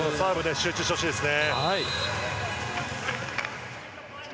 集中してほしいですね。